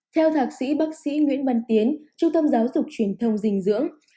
theo thạc sĩ bác sĩ nguyễn văn tiến trung tâm giáo dục truyền thông dinh dưỡng